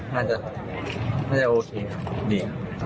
น่าจะโอเคครับดี